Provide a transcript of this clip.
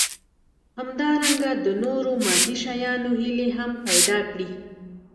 همدارنګه د نورو مادي شيانو هيلې هم پيدا کړي.